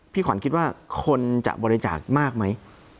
ขวัญคิดว่าคนจะบริจาคมากไหม